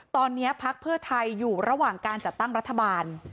ตอนนี้พักเพื่อไทยอยู่ระหว่างการจัดตั้งรัฐบาล